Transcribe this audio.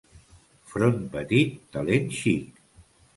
Front petit, talent xic.